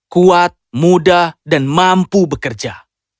kuat muda dan mampu bekerja